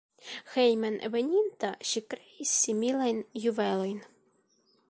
Hejmenveninta ŝi kreis similajn juvelojn.